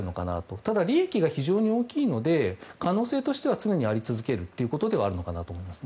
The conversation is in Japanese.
ただ、利益が非常に大きいので可能性としては常にあり続けるのかなと思いますね。